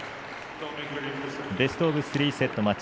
ベストオブ３セットマッチ。